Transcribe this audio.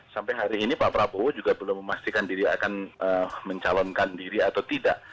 sampai hari ini pak prabowo juga belum memastikan diri akan mencalonkan diri atau tidak